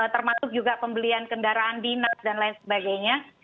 termasuk juga pembelian kendaraan dinas dan lain sebagainya